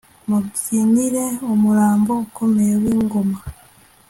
Mubyinire umurambo ukomye wingoma